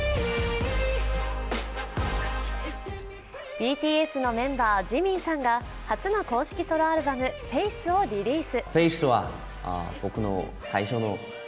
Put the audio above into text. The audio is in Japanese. ＢＴＳのメンバー・ＪＩＭＩＮさんが初の公式ソロアルバム、「ＦＡＣＥ」をリリース。